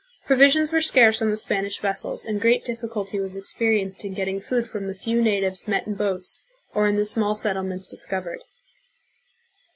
Provisions were scarce on the Spanish vessels, and great difficulty was experienced in getting food from the few natives met hi boats or in the small settlements discovered.